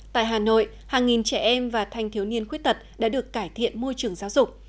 tại hà nội hàng nghìn trẻ em và thanh thiếu niên khuyết tật đã được cải thiện môi trường giáo dục